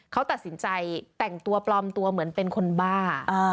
เขาตัดสินใจแต่งตัวปลอมตัวเหมือนเป็นคนบ้า